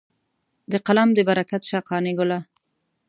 د قلم دې برکت شه قانع ګله.